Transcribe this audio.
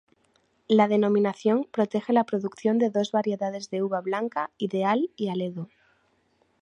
La denominación protege la producción de dos variedades de uva blanca, ideal y aledo.